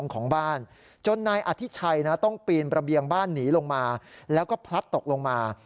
เกลียงบ้านหนีลงมาแล้วก็พลัดตกลงมา